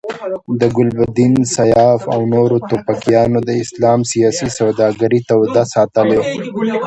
د ګلبدین، سیاف او نورو توپکیانو د اسلام سیاسي سوداګري توده ساتلې.